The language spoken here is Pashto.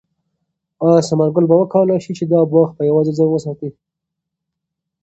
آیا ثمر ګل به وکولای شي چې دا باغ په یوازې ځان وساتي؟